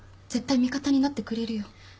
絶対味方になってくれるよ。